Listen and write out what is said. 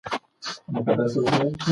تاسې کوم ډول کتابونه خوښوئ؟